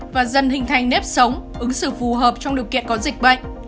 và dần hình thành nếp sống ứng xử phù hợp trong điều kiện có dịch bệnh